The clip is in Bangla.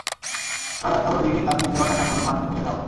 তার অর্থ হলো এই, তাঁদের দেওয়া টাকাগুলো পানিতে ফেলে দেওয়া হলো।